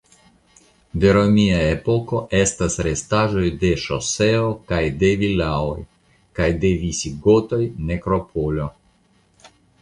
De romia epoko estas restaĵoj de ŝoseo kaj de vilaoj; kaj de visigotoj nekropolo.